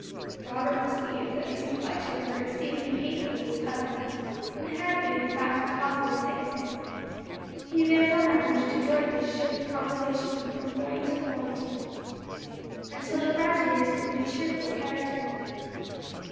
Robert perceived that these reflections were exceedingly painful to his cousin, and had been in fact the cause of his sickness; he therefore managed adroitly to shift the conversation from point to point, until it gradually assumed a cheerful character.